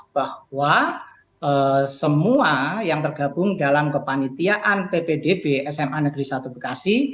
bahwa semua yang tergabung dalam kepanitiaan ppdb sma negeri satu bekasi